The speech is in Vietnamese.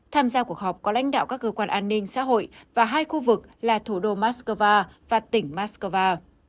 tham gia cuộc họp có lãnh đạo các cơ quan an ninh xã hội và hai khu vực là thủ đô moscow và tỉnh moscow